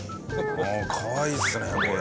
うんかわいいっすねこれ。